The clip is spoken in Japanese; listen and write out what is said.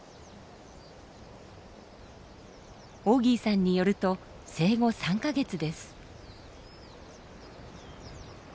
オギーさんによると生後３か月です。